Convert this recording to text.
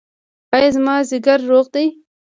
ایا زما ځیګر روغ دی؟